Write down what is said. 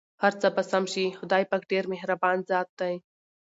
هرڅه به سم شې٬ خدای پاک ډېر مهربان ذات دی.